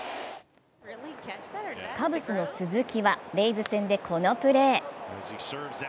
カブスの鈴木はレイズ戦でこのプレー。